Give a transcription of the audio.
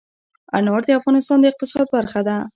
انار د افغانستان د اقتصاد برخه ده.